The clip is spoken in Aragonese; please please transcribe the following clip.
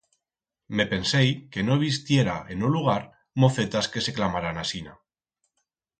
Me pensei que no bi'stiera en o lugar mocetas que se clamaran asina.